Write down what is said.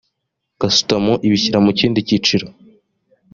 gasutamo ibishyira mu kindi cyiciro